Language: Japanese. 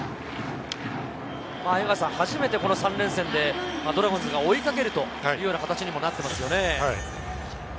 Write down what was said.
初めてこの３連戦でドラゴンズが追いかけるというような形になっていますよね。